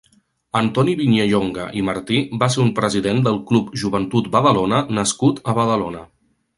Antoni Viñallonga i Martí va ser un president del Club Joventut Badalona nascut a Badalona.